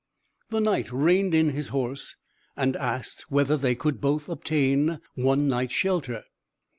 The Knight reined in his horse, and asked whether they could both obtain one night's shelter.